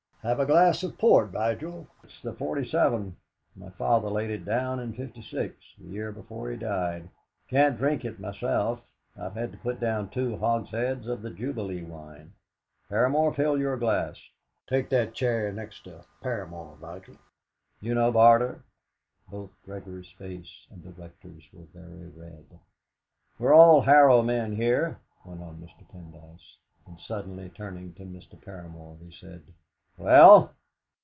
"Have a glass of port, Vigil; it's the '47. My father laid it down in '.6, the year before he died. Can't drink it myself I've had to put down two hogsheads of the Jubilee wine. Paramor, fill your glass. Take that chair next to Paramor, Vigil. You know Barter?" Both Gregory's face and the Rector's were very red. "We're all Harrow men here," went on Mr. Pendyce. And suddenly turning to Mr. Paramor, he said: "Well?"